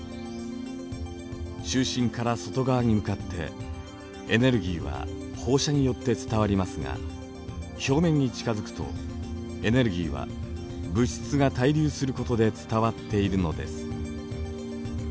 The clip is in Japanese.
中心から外側に向かってエネルギーは放射によって伝わりますが表面に近づくとエネルギーは物質が対流することで伝わっているのです。